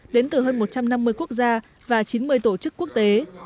đến từ hơn một trăm năm mươi quốc gia và chín mươi tổ chức quốc tế